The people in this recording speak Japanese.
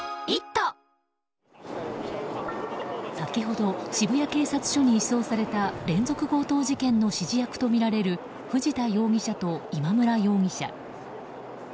先ほど渋谷警察署に移送された連続強盗事件の指示役とみられる藤田容疑者と今村容疑者。